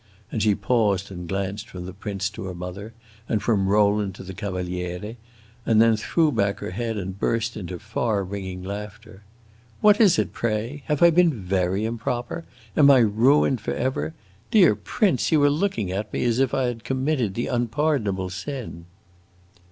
And she paused and glanced from the prince to her mother, and from Rowland to the Cavaliere, and then threw back her head and burst into far ringing laughter. "What is it, pray? Have I been very improper? Am I ruined forever? Dear prince, you are looking at me as if I had committed the unpardonable sin!"